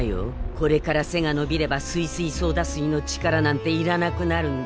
これから背がのびればすいすいソーダ水の力なんていらなくなるんだ。